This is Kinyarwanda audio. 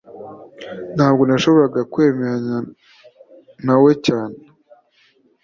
Ntabwo nashoboraga kwemeranya nawe cyane